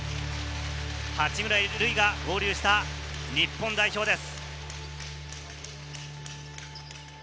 八村塁が合流した日本代表です。